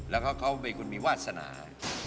แล้วเขาเป็นคนมีวาสนา